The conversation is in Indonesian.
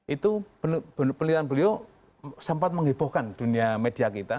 itu pilihan beliau sempat menghiburkan dunia media kita